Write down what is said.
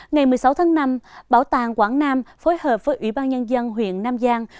ngày một mươi sáu tháng năm bảo tàng quảng nam phối hợp với ủy ban nhân dân huyện nam giang